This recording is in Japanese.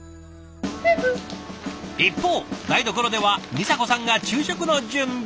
一方台所では美佐子さんが昼食の準備。